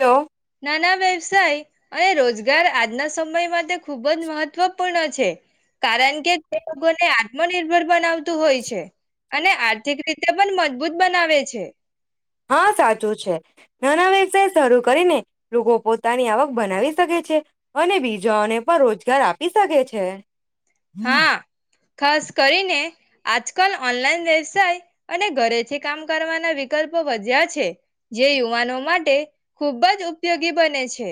Hello. નાના વ્યવસાય અને રોજગાર આજના સમય માટે ખુબ જ મહત્વપૂર્ણ છે, કારણ કે તે લોકોને આત્મનિર્ભર બનાવતું હોય છે, અને આર્થિક રીતે પણ મજબૂત બનાવે છે, હા, સાચું છે, નાના વ્યવસાય શરૂ કરી ને લોકો પોતાની આવક બનાવી શકે છે, અને બીજાને પણ રોજગાર આપી શકે છે, હા ખાસ કરીને આજકાલ ઓનલાઈન વ્યવસાય અને ઘરેથી કામ કરવાના વિકલ્પો વધ્યા છે, જે યુવાનો માટે ખુબ જ ઉપયોગી બને છે,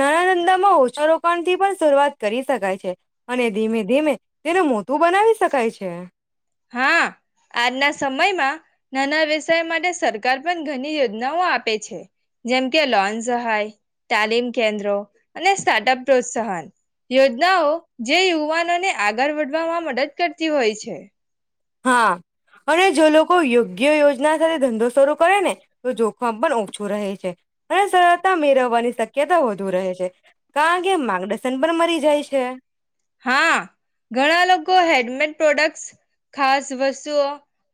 નાના નંદા માં હો છે વૃક્ષરોોકાણ થી પણ શરૂઆત કરી શકાય છે, અને ધીમે ધીમે તેને મોટું બનાવી શકાય છે, [unintelligible] હા, આજના સમયમાં નાના વ્યવસાય માટે સરકાર પણ ઘણી યોજનાઓ આપે છે, જેમ કે લોન સહાય તાલીમ કેન્દ્રો અને સ્ટાર્ટઅપ પ્રોત્સાહન યોજનાઓ જે યુવાનોને આગળ વધવામાં મદદ કરતી હોય છે, હા, અને જો લોકો યોગ્ય જે યોજના સા ધંધોસ શરૂ કરે ને તો જોખમ પણ ઓછું રહે છે. અને સરળતા મેળવવાની શક્યતા વધુ રહે છે, કારણ કે માર્ગદર્શન પણ મરી જાય છે. હા ઘણા લોકો હેન્ડમેડ પ્રોડક્ટ્સ ખાસ વસ્તુઓ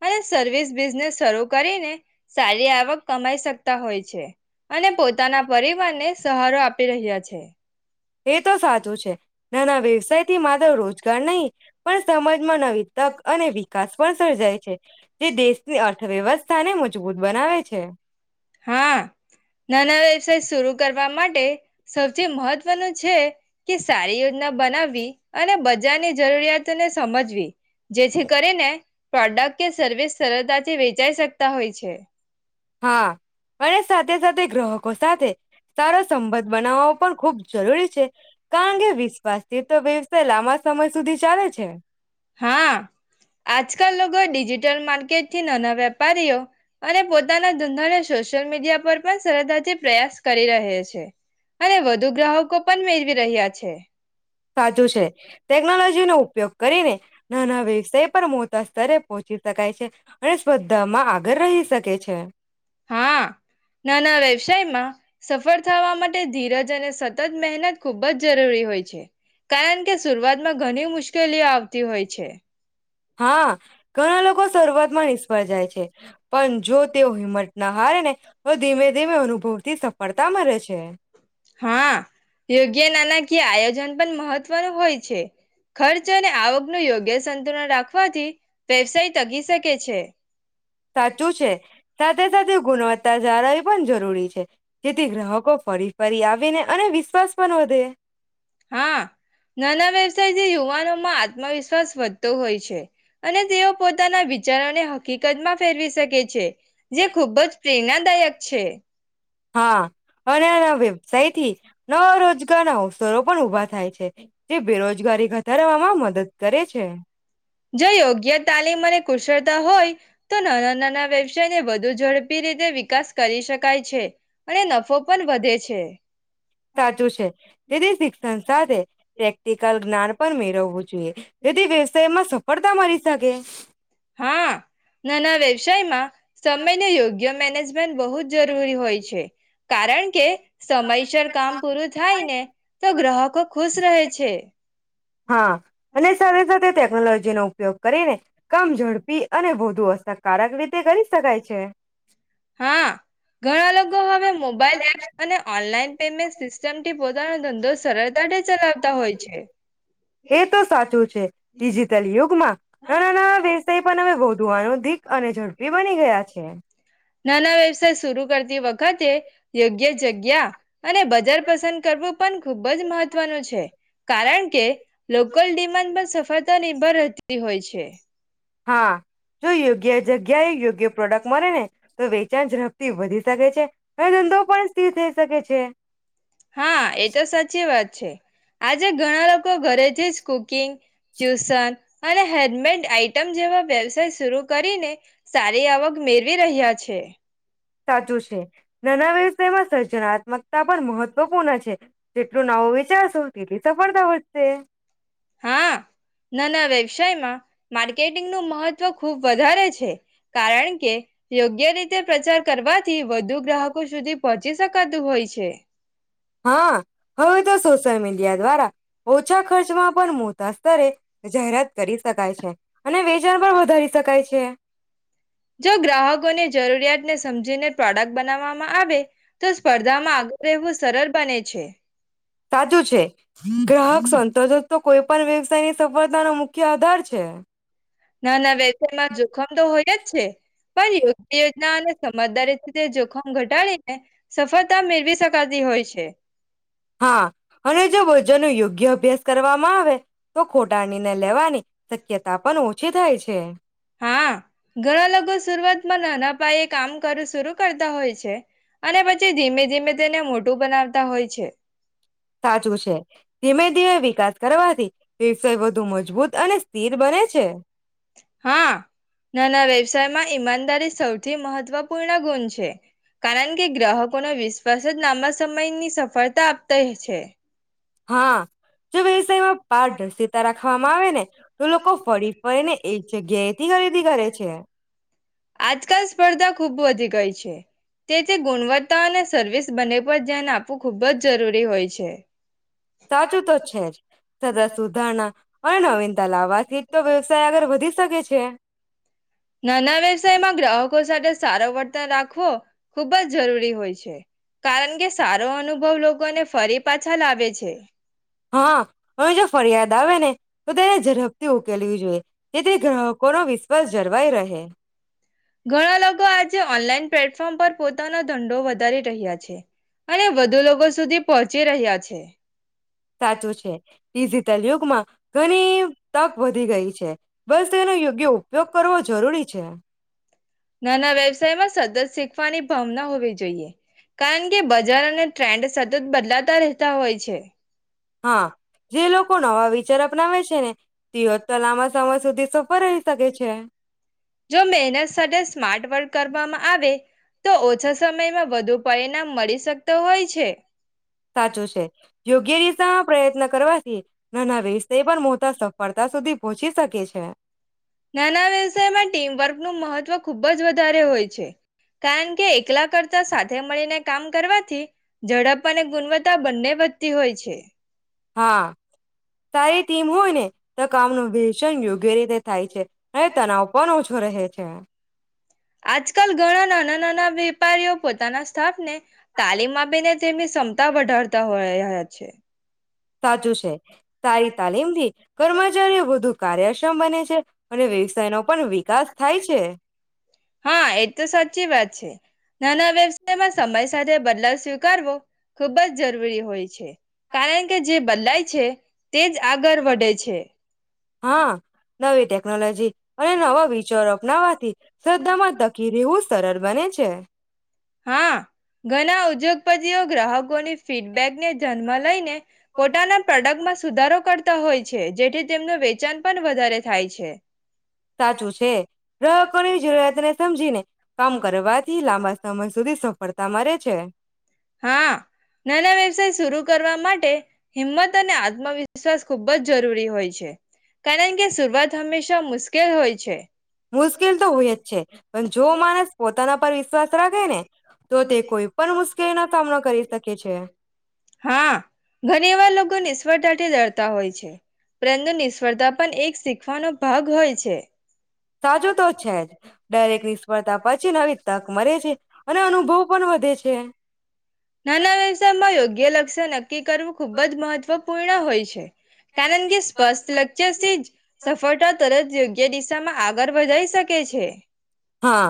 અને સર્વિસ બિઝનેસ શરૂ કરીને સારી આવક કમાઈ શકતા હોય છે. અને પોતાના પરિવારને સહારો આપી રહ્યા છે. એ તો સાચું છે. નાના વ્યવસાય થી માત્ર રોજગાર નહીં, પણ સમાજમાં નવી તક અને વિકાસ પણ સર્જાય છે. જે દેશની અર્થવ્યવસ્થાને મજબૂત બનાવે છે. હા નાના વ્યવસાય શરૂ કરવા માટે સૌથી મહત્વનું છે કે સારી યોજના બનાવવી અને બજારની જરૂરિયાતોને સમજવી. જેછી કરે ને પ્રોડક્ટ કે સર્વિસ સરળતાથી વેચાઈ શકતા હોય છે. હા. અને સાથે સાથે ગ્રહક કો સાથે સારો સંબંધ બનાવો પણ ખૂબ જરૂરી છે. કારણ કે વિશ્વાસથી તો વ્યવસાય લાંબા સમય સુધી ચાલે છે. હા ટલ માર્કેટ થી નાના વેપારીઓ અને પોતાના ધંધાને સોશિયલ મીડિયા પર પણ સરળતાથી પ્રયાસ કરી રહે છે. અને વધુ ગ્રાહકો પણ મેળવી રહ્યા છે સાચું છે. ટેકનોલોજી નો ઉપયોગ કરીને નાના વ્યવસાય પર મોટા સ્તરે પહોચીં શકાય છે. અને સ્પર્ધામાં આગળ રહી શકે છે. હા નાના વ્યવસાયમાં સફળ થવા માટે ધીરજ અને સતત મહેનત ખૂબ જ જરૂરી હોય છે. કારણ કે શરૂઆતમાં ઘણી મુશ્કેલીઓ આવતી હોય છે. હા ઘણા લોકો શરૂઆતમાં નિષ્ફળ જાય છે. પણ જો તેઓ હિંમત ના હારે ને તો ધીમે-ધીમે અનુભવ થી સફળતા મળે છે. કીય આયોજન પણ મહત્વનું હોય છે. ખર્ચ અને આવક નું યોગ્ય સંતુલન રાખ રખવાથી વ્યવસાય તગી શકે છે. સાચું છે, સાથે-સાથે ગુણવત્તા જાળવવી પણ જરૂરી છે. જેથી ગ્રાહકો ફરી-ફરી આવીને અને વિ હા. નાના વ્યવસાય જે યુવાનો માં આત્મવિશ્વાસ વધતો હોય છે અને તેઓ પોતાના વિચારોને હકીકત માં ફેરવી શકે છે. જે ખુબ જ પ્રેરણાદાયક છે. હા અને એના વ્યવસાય થી નવ રોજગાર ના અવસરો પણ ઉભા થાય છે. તે બેરોજગારી ઘટારવામાં મદદ કરે છે. જો યોગ્ય તાલીમ અને કુશળતા હોય તો નાના નાના વ્યવસાયને વધુ ઝડપી રીતે વિકાસ કરી શકાય છે અને નફો પણ વધે છે. સાચું છે તેથી શિક્ષણ સાથે પ્રેક્ટિકલ જ્ઞાન પણ મેળવવું જોઈએ. જેથી વ્યવસાયમાં સફળતા મળી શકે. [inaudible] હા નાના વ્યવસાયમાં સમમેય યોગ્ય મેનેજમેન્ટ બહુ જ જરૂરી હોય છે કારણ કે સમયસર કામ પૂરું થાય ને તો ગ્રાહકો ખુશ રહે છે. હા અને સાથે સાથે ટેકનોલોજીનો ઉપયોગ કરીને કામ ઝડપી અને વધુ અસરકારક રીતે કરી શકાય છે. હા ઘણા લોકો હવે મોબાઈલ એપ્સ અને ઓનલાઈન પેમેન્ટ સિસ્ટમથી બ પોતાનો ધંધો સા [unintelligible] ચલાવતા હોય છે. તીજી [unintelligible] ના ના ના વે પણ અમે ગોધવાનું દીક અને ઝડપી બની ગયા છે. નાના વ્યવસાય સુ કરતી વખતે યોગ્ય જગ્યા અને બજાર પસંદ કરવું પણ ખુબ જ મહત્વનું છે કારણ કે લોકલ ડિમાન્ડ પણ સફ નિભર રહેતી હોય છે. હા જો યોગ્ય જગ્યાએ યોગ્ય પ્રોડક્ટ મળે ને તો વેચાણ ઝડપથી વધી શકે છે. [unintelligible] ટી થઈ શકે છે. હા એતો સાચી વાત છે આજે ઘણા લોકો ઘરેથી જ કુકિંગ ટ્યુશન અને હેન્ડમેડ આઈટમ જેવા વ્યવસાય શર કરીને સારી આવક મેળવી રહ્યા છે. સાચું છે નાના. [unintelligible] [unintelligible] મતા પણ મહત્વપૂર્ણ છે જેટલું નાવ વિચારશું સફળતા વધશે. હા નાના વ્યવસાયમાં માર્કેટિંગ નું મહત્વ ખુબ વધારે છે કારણ કે જે રીતે પ્રચાર કરવાથી વધુ ગ્રાહકો સુધી પહોંચી શકાતું હોય છે હા હવે તો સોશિયલ મીડિયા દ્વારા ઓછા ખર્ચમાં પણ [unintelligible] સ્તરે જાહેરાત કરી શકાય છે અને વેચાણ પણ વધારી શકાય છે જો ગ્રાહકોની જરૂરિયાતને સમજીને પ્રોડક્ટ બનાવવામાં આવે તો સ્પર્ધામાં આગળ રહેવું સરળ બને છે સાચું છે ગ્રાહક સંતોષ તો કોઈ પણ વ્યવસાયની સફળતા નો મુખ્ય આધાર છે નાના વેસામાં જોખમ તો હોય જ છે પણ યોગ્ય યોજના અને સમજદારી જોખમ ઘટાડીને સફળ મેળવી શકાતી હોય છે હા અને જો વજન યોગ યોગ્ય અભ્યાસ કરવામાં આવે તો ખોટાણી ને લેવાની શક્યતા પણ ઓ જે થાય છે. હા, ઘણા લોકો શુરુઆતમાં નાના પાયે કામ કરું શરુ કરતા હોય છે અને પછી ધીમે ધીમે તેને મોટું બનાવતા હોય છે. સાચું છે. ધીમે ધીમે વિકાસ કરવાથી વ્યવસાય વધુ મજબૂત અને સ્થિર બને છે. હા નાના વ્યવસાયમાં ઈમાનદારી સૌથી મહત્વપૂર્ણ ગુણ છે. કારણ કે ગ્રાહકોનો વિશ્વાસ જ લાંબા સમયની સફળતા આપતા હી છે. હા, જો વ્યવસાયમાં પારદર્શિતા રાખવામાં આવે ને તો લોકો ફરી ફરીને એક જગ્યાએથી ખરીદી કરે છે. ધી ગઈ છે. તે જે ગુણવતાન સર્વિસ બને પર ધ્યાન આપવું ખુબ જ જરૂરી હોય છે. સાચું તો છે જ. સદા સુધારણા પણ નવીન તલાવાત થી તો વ્યવસાય આગળ વધી શકે છે. નાના વ્યવસાયમાં ગ્રાહકો સાથે સારો વર્તન રાખ વો ખુબ જ જરૂરી હોય છે. કારણ કે સારો અનુભવ લોકોને ફરી પાછા લાવે છે. હા, હવે જો ફરિયાદ આવે ને તો તેને ઝડપથી ઉકેલવી જોઈએ. જે તે ગ્રાહકોનો વિશ્વાસ જળવાઈ રહે. [inaudible] ઘણા લોકો આજે ઓનલાઈન પ્લેટફોર્મ પર પોતાનો ધંઘો વધારી રહ્યા છે અને વધુ લોકો સુધી પહોંચી રહ્યા છે. સાચું છે. ડિઝીટલ યુગમાં ઘણી તક વધી ગઈ છે. બસ તેનો યોગ્ય ઉપયોગ કરવો જરૂરી છે. નાના વ્યવસાયમાં સદ શીખવાની ભાવના હોવી જોઈએ. કારણ કે બજાર અને ટ્રેન્ડ સતત બદલાતા રહેતા હોય છે. હા, જે લોકો નવા વિચારા અપનાવે છે ને તેઓ ન તો લાંબા સમય સુધી સફર રહી શકે છે. જો મેહનત સાથે સ્માર્ટ વર્ક કરવામાં આવે તો ઓછા સમયમાં વધુ પરિણામ મળી શકતો હોય છે. સાચું છે. યોગ્ય દિશામાં પ્રયત્ન કરવા થી નાના વેષ તે પણ મોતા સફળતા સુધી પહોંચી શકે છે. છે નાના વ્યવસાયમાં ટીમવર્કનું મહત્વ ખૂબ જ વધારે હોય છે કારણ કે એકલા કરતા સાથે મળીને કામ કરવાથી ઝડપ અને ગુણવત્તા બંને વધતી હોય છે. હા સારી ટીમ હોય ને તો કામ ન વચન યોગ્ય રીતે થાય છે અને તનાવ પણ ઓછો રહે છે. આજકાલ ઘણા નાના નાના વેપારીઓ પોતાના સ્થાફને તાલીમ આપીને તેમની ક્ષમતા વધારતા હોય રહ્યા છે. સાચું છે તારી તાલીમ થી કર્મચારીઓ વધુ કાર્યક્ષમ બને છે. અને વ્યવસાય નો પણ વિકાસ થાય છે [inaudible] [inaudible] હા એજ તો સાચી વાત છે નાના વ્યવસાયમાં સમય સાથે બદલા સ્વીકારવો ખૂબ જ જરૂરી હોય છે કારણ કે જે બદલાય છે તે જ આગળ વધે છે. હા નવી ટેકનોલોજી અને નવા વિચારો ના વાથી શ્રદ્ધામાં તકી રવું સરળ બને છે. હા ઘણા ઉદ્યોગપતિઓ ગ્રાહકોની ફીડબેકને જન્મ લઈ ને પોતાના પ્રોડક્ટમાં સુધારો કરતા હોય જેથી તેમનું વેચાણ પણ વધારે થાય છે. સાચું છે ગ્રહકોની જરૂરિયાતને સમજીને કામ કરવાથી લાંબા સમય સુધી ધિ સફ પડતા મારે છે. હા નાના વ્યવસાય શરૂુ કરવા માટે હિંમત અને આત્મવિશ્વાસ ખૂબ જ જરૂરી હોય છે, કારણ કે શરૂઆત હંમેશા મુશ્કેલ હોય છે. મુશ્કેલ તો હોય છે. પણ જો માણસ પોતાના પર વિશ્વાસ રાખે ને તો તે કોઈ પણ મુશ્કેલીનો સામનો કરી શકે છે. નિષફળતા ડરતા હોય છે, પરંતુ નિષ્ફળતા પણ એક શીખવાનો ભાગ હોય છે. સાચું તો છે જ દરેક નિષ્ફળતા પછી નવી તક મળરેે છે, અને અનુભવ પણ વધે છે. નાના વ્યવસાયમાં યોગ્ય લક્ષ્ય નક્કી કરવું ખૂબ જ મહત્વપૂર્ણ હોય છે. કારણ કે સ્પષ્ટ લક્ષચર છે, જ સફળતા તરત યોગ્ય દિશામાં આગળ વધી શકે છે. હા,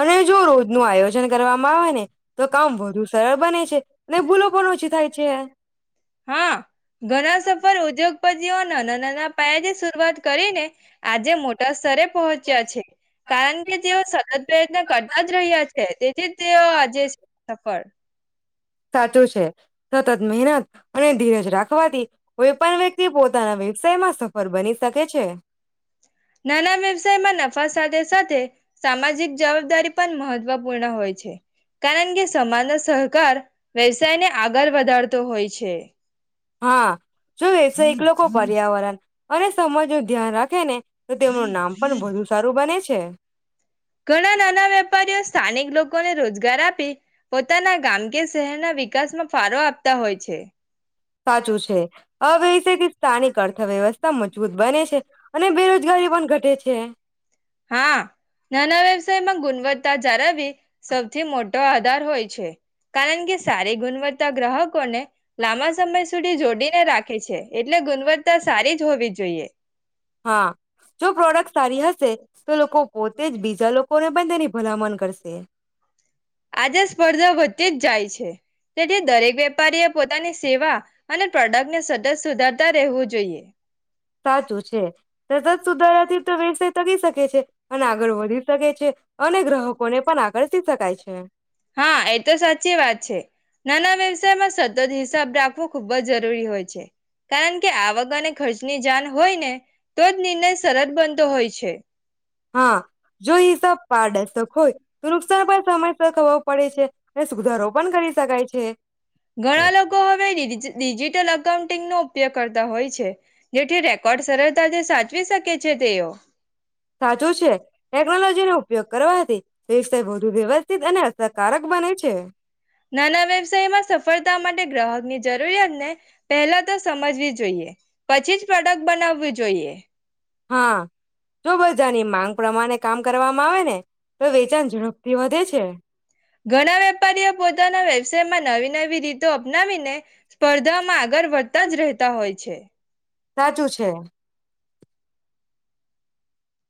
અને જો રોજ ન આયોજન જન કરવામાં આવે ને તો કામ વધુ સરળ બને છે, ભૂલો પણ ઓછી થાય જયા હા, ઘણા સફર ઉદ્યોગપ તીઓ નાના ના પાયાથી શરૂઆત કરીને આજે મોટા સ્તરે પહોચ્યા છે, કારણ કે તેઓ સતત પ્રયત્ન કરતા જ રહ્યા છે, તેથી તેઓ આજે સફળ સાચું છે, સતત મહેનત અને ધીરેજ રાખો વા થી કોઈ પણ વ્યક્તિ પોતાના વ્યવસાયમાં સફળ બની શકે છે, નાના વ્યવસાયમાં નફા સાથે સાથે સામાજિક જવાબદારી પણ મહત્વપૂર્ણ હોય છે, કારણ કે સમાન સહકાર વેવ ષાને આગળ વધારતો હોય છે. હા જો એકલો ખો પર્યાવરણ અને સમજ ધ્યાન રાખ હેને તો તેમનું નામ પણ વધુ સારું બને છે. ઘણા નાના વેપારીઓ સ્થાનિક લોકોને રોજગાર આપી પોતાના ગામ કે શહેરના વિકાસમાં ફાળો આપતા હોય છે. સાચું છે આ વ્યષથી સ્થાનિક અર્થવ્યવસ્થા તમન જૂથ બને છે અને બેરોજગારી પણ ઘટે છે. હા નાના વ્યવસાયમાં ગુણવત્તા જાળવવી સૌથી મોટો આધાર હોય છે કારણ કે સારી ગુણવત્તા ગ્રાહકોને લાંબા સમય સુધી જોડીને રાખે છે એટલે ગુણવત્તા સારી જ હોવી જોઈએ. હા જો પ્રોડક્ટ સારી હશે તો લોકો પોતે જ બીજા લો કોને પણ તેની ભલામણ કરશે. તે જ જાય છે તેથી દરેક વેપારી એ પોતાની સેવા અને પ્રોડક્ટને સતત સુધારતા રહેવું જોઈએ. સાચું છે સતત સુધારાથી તો વીસે તગી શકે છે. અને આગળ વધી શકે છે અને ગ્રાહકોને પણ આગળતી શકાય છે. હા એ સાય માં સતત હિસાબ રાખવો ખૂબ જ જરૂરી હોય છે કારણ કે આવક અને ખર્ચની જાણ હોય ને તો જ નિર્ણય સરળ બનતો હોય છે. હા જોઈ તો પારડર્શક હોય તો નુકસાન પણ સમયસર ખબર પડે છે અને સુધારો પણ કરી શકાય છે. ઘણા લોકો હવે ડીજી ડિજિટલ [unintelligible] નો ઉપયોગ કરતા હોય છે જેથી રેકોર્ડ સરળતાથી સાચવી શકે છે તેઓ. સાચું છે, ટેકનોલોજીનો ઉપયોગ કરવાથી વ્યવસાય વઘુ વ્યવસ્થિત અને અસરકારક બને છે. તા માટે ગ્રાહકની જરૂરિયાતને પહેલા તો સમજવી જોઈએ. પછી જ પ્રોડક્ટ બનાવી. જોઈએ. હા, જો બઘાની માંગ પ્રમાણે કામ કરવામાં આવેને ઘણા વેપારીઓ પોતાના સેર મા નવી નવી રીતો અપનાવીને સ્પર્ધામાં આગળ વધતા જ રહેતા હોય છે. સાચું છે.